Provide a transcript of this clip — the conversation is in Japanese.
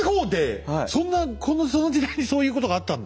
そんなその時代にそういうことがあったんだ。